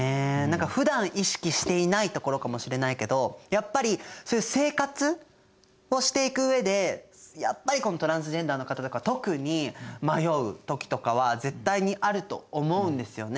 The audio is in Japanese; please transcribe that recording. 何かふだん意識していないところかもしれないけどやっぱりそういう生活をしていく上でやっぱりトランスジェンダーの方とか特に迷う時とかは絶対にあると思うんですよね。